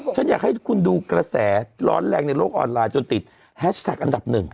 ฉันอยากให้คุณดูกระแสร้อนแรงในโลกออนไลน์จนติดแฮชแท็กอันดับหนึ่ง